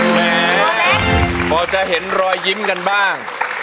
แหมพอจะเห็นรอยยิ้มกันบ้าง